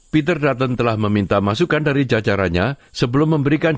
peter dutton telah meminta masukan dari jajarannya sebelum memberikan